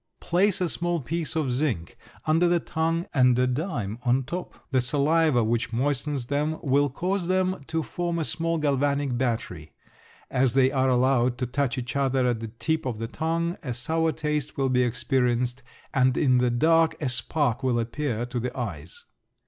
Place a small piece of zinc under the tongue and a dime on top. The saliva which moistens them will cause them to form a small galvanic battery. As they are allowed to touch each other at the tip of the tongue a sour taste will be experienced and in the dark a spark will appear to the eyes.